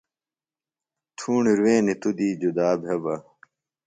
تھوݨی روینی توۡ دی جدا بھےۡ بہ۔